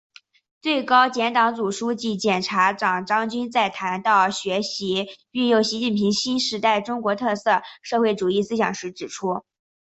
最高检党组书记、检察长张军在谈到学习运用习近平新时代中国特色社会主义思想时指出